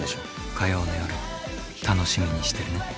火曜の夜楽しみにしてるね。